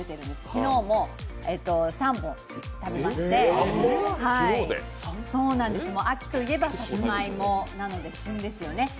昨日も３本食べまして秋といえばさつまいもなので、旬ですよね。